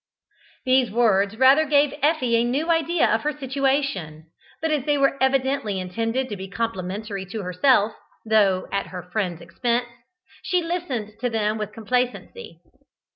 These words rather gave Effie a new idea of her situation, but as they were evidently intended to be complimentary to herself, though at her friend's expense, she listened to them with complacency.